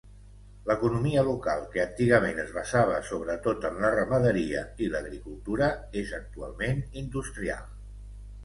L'economia local, que antigament es basava sobretot en la ramaderia i l'agricultura, és actualment industrial.